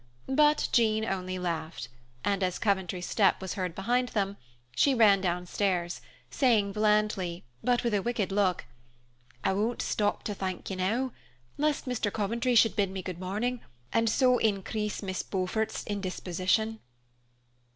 But Jean only laughed, and as Coventry's step was heard behind them, she ran downstairs, saying blandly, but with a wicked look, "I won't stop to thank you now, lest Mr. Coventry should bid me good morning, and so increase Miss Beaufort's indisposition."